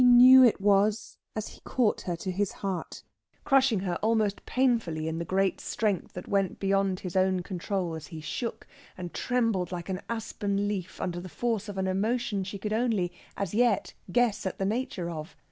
She knew it was as he caught her to his heart, crushing her almost painfully in the great strength that went beyond his own control as he shook and trembled like an aspen leaf under the force of an emotion she could only, as yet, guess at the nature of.